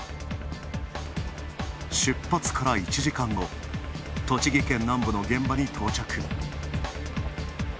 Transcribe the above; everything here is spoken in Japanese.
出発から１時間後、栃木県南部の現場に到着。